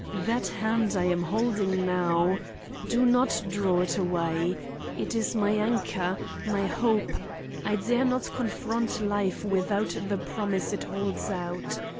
That hand I am holding now—do not draw it away—it is my anchor, my hope. I dare not confront life without the promise it holds out.